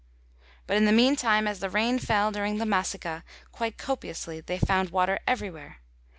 But in the meantime, as the rain fell during the massica quite copiously, they found water everywhere.